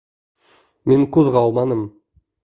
Мин ҡуҙғалманым.